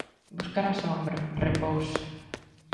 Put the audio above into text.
Buscar a sombra, repouso.